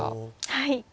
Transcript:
はい。